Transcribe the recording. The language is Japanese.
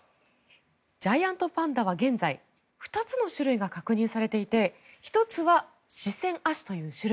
ジャイアントパンダは現在２つの種類が確認されていて１つは、四川亜種という種類。